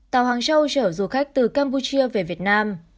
tàu hàng châu chở du khách từ campuchia về việt nam